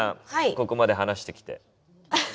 ここまで話してきて。